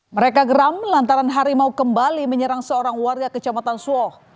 mereka geram lantaran harimau kembali menyerang seorang warga kecamatan suoh